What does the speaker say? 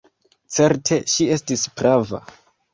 Certe, ŝi estis prava.